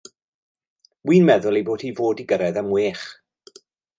Wi'n meddwl ei bod hi fod i gyrredd am whech.